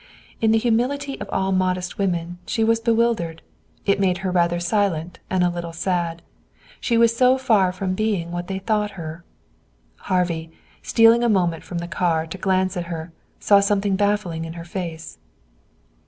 In the humility of all modest women she was bewildered. It made her rather silent and a little sad. She was so far from being what they thought her. Harvey, stealing a moment from the car to glance at her, saw something baffling in her face.